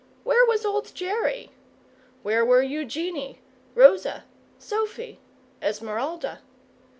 Where was old Jerry? Where were Eugenie, Rosa, Sophy, Esmeralda?